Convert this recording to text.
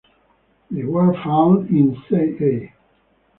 They were found in ca.